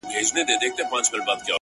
خاونده زور لرم خواږه خو د يارۍ نه غواړم؛